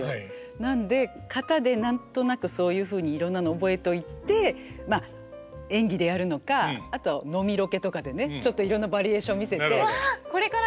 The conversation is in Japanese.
なので型で何となくそういうふうにいろんなの覚えといてまあ演技でやるのかあと飲みロケとかでねちょっといろんなバリエーション見せて。